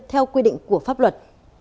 theo quy định của pháp luật